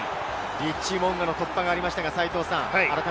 リッチー・モウンガの突破がありました。